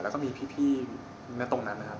แล้วก็มีพี่ณตรงนั้นนะครับ